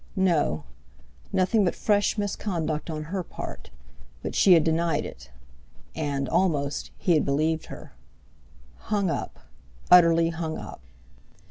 No! Nothing but fresh misconduct on her part—but she had denied it; and—almost—he had believed her. Hung up! Utterly hung up!